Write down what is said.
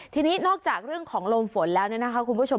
ทีนี้นอกจากเรื่องของลมฝนแล้วเนี่ยนะคะคุณผู้ชม